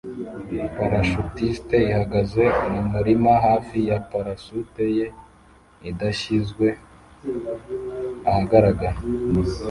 Parashutiste ihagaze mumurima hafi ya parasute ye idashyizwe ahagaragara